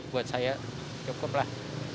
buat saya cukup lah